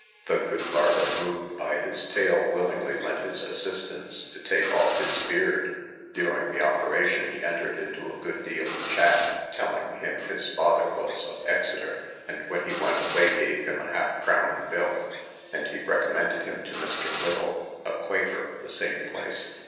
The good barber moved by his tale, willingly lent his assistance to take off his beard; during the operation, he entered into a good deal of chat, telling him his father was of Exeter; and, when he went away, gave him a half crown bill, and he recommended him to Mr. Wiggil, a quaker of the same place.